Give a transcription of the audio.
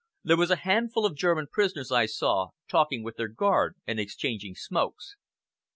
There was a handful of German prisoners I saw, talking with their guard and exchanging smokes.